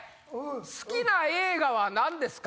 好きな映画は何ですか？